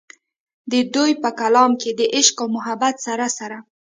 د دوي پۀ کلام کښې د عشق و محبت سره سره